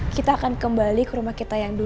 kita akan kembali ke rumah kita yang dulu